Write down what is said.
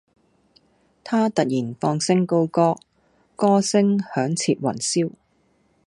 他突然放聲高歌，歌聲響徹雲霄